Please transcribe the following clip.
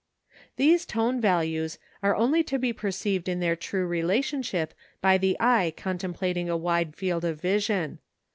These tone values are only to be perceived in their true relationship by the eye contemplating a wide field of vision.